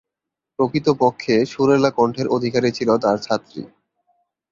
প্রকৃত পক্ষে, সুরেলা কণ্ঠের অধিকারী ছিল তার ছাত্রী।